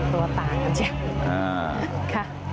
ตัวตาครับเจ๊ค่ะ